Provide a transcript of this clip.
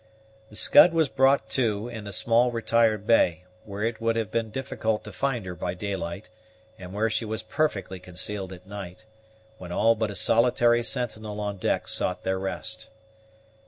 The Scud was brought to in a small retired bay, where it would have been difficult to find her by daylight, and where she was perfectly concealed at night, when all but a solitary sentinel on deck sought their rest.